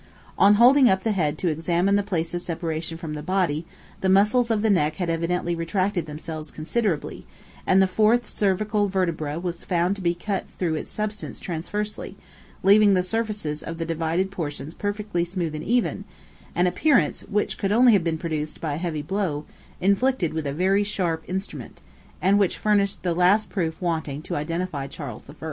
On holding up the head to examine the place of separation from the body, the muscles of the neck had evidently retracted themselves considerably, and the fourth cervical vertebra was found to be cut through its substance transversely, leaving the surfaces of the divided portions perfectly smooth and even; an appearance which could only have been produced by a heavy blow, inflicted with a very sharp instrument, and which furnished the last proof wanting to identify Charles I.